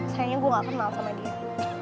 sayangnya gue gak kenal sama dia